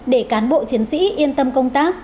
để cán bộ chiến sĩ yên tâm công tác